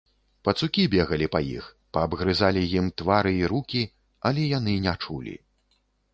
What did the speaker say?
Пацукі бегалі па іх, паабгрызалі ім твары і рукі, але яны не чулі.